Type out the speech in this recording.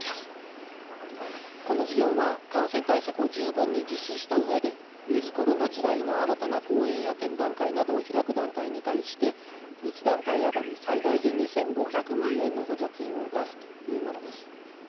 この事業は感染対策を十分に実施したうえでウィズコロナ時代の新たな公演や展覧会などを開く団体に対して１団体当たり最大で２，５００万円の補助金を出すというものです。